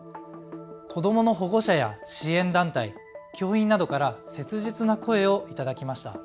子どもの保護者や支援団体、教員などから切実な声を頂きました。